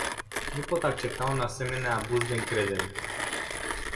Nu pot accepta un asemenea abuz de încredere.